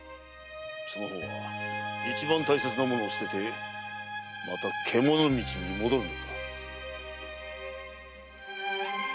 その方は一番大切なものを捨ててまた獣道に戻るのか。